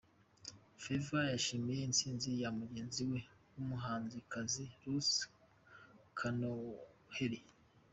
Favor yishimira intsinzi ya mugenzi we w'umuhanzikazi Ruth Kanoheli.